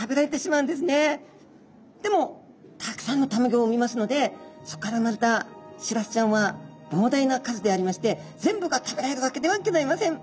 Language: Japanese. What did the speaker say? でもたくさんの卵を産みますのでそこから産まれたしらすちゃんは膨大な数でありまして全部が食べられるわけではギョざいません。